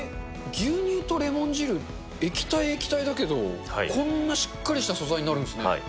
牛乳とレモン汁、液体液体だけど、こんなしっかりした素材になるんですね。